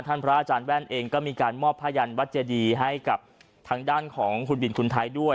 พระอาจารย์แว่นเองก็มีการมอบผ้ายันวัดเจดีให้กับทางด้านของคุณบินคุณไทยด้วย